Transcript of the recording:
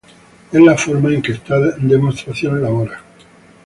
Es la forma en que esta demostración labora.